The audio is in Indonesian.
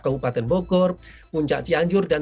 kabupaten bogor puncak cianjur dan